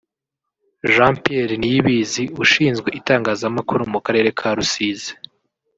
Jean Pierre Niyibizi/Ushinzwe Itangazamakuru mu Karere ka Rusizi